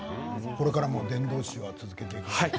これからも伝道師は続けていくんですか。